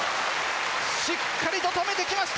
しっかりと止めてきました